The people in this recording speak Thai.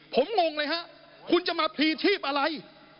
ผมงงเลยฮะคุณจะมาพรีชีพอะไร